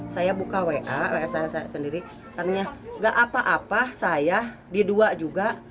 saya buka wa wa saya sendiri karena nggak apa apa saya di dua juga